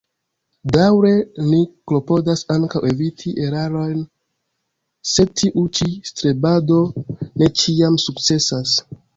Daŭre ni klopodas ankaŭ eviti erarojn, sed tiu ĉi strebado ne ĉiam sukcesas.